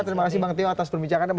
terima kasih bang teo atas perbincangannya